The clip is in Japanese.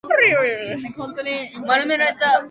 丸められた従業員用のエプロンとか色々